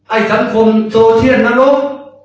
ไอ้สังคมโซเทียนนรก